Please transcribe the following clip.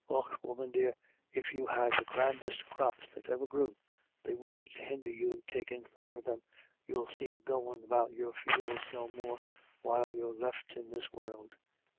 Och, woman dear, if you had the grandest crops that ever grew, they wouldn't hinder you takin* thought of them you'll see goin' about your fields no more while you're left in this world."